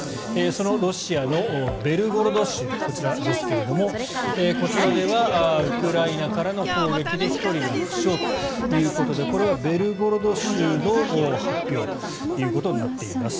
そのロシアのベルゴロド州こちらですがこちらではウクライナからの砲撃で１人が負傷ということでこれはベルゴロド州の発表ということになっています。